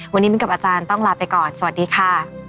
วันนี้มิ้นกับอาจารย์ต้องลาไปก่อนสวัสดีค่ะ